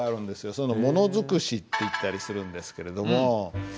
そういうの「ものづくし」っていったりするんですけれども。